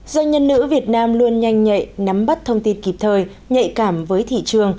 doanh nhân nữ việt nam luôn nhanh nhạy nắm bắt thông tin kịp thời nhạy cảm với thị trường